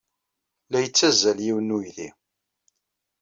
La yettazzal yiwen n uydi.